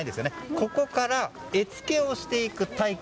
ここから絵付けをしていく体験